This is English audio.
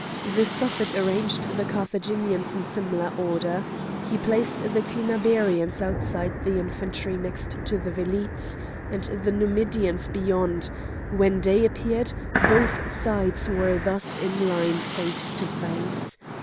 The Suffet arranged the Carthaginians in similar order. He placed the Clinabarians outside the infantry next to the velites, and the Numidians beyond; when day appeared, both sides were thus in line face to face.